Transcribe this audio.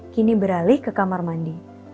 kini beralih ke kamar mandi